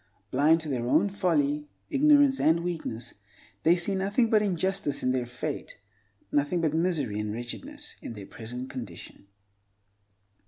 Blind to their own folly, ignorance, and weakness, they see nothing but injustice in their fate, nothing but misery and wretchedness in their present condition.